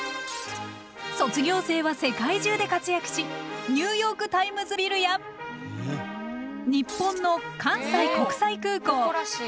卒業生は世界中で活躍しニューヨークタイムズビルや日本の関西国際空港。